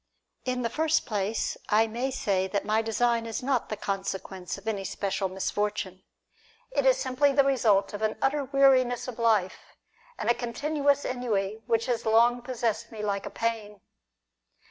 In the first place, I may say that my design is not the consequence of any special misfortune. It is simply the result of an utter weariness of life, and a continuous ennui which has long possessed me like a pain.